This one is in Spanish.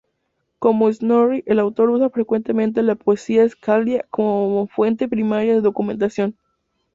Como Snorri, el autor usa frecuentemente la poesía escáldica como fuente primaria de documentación.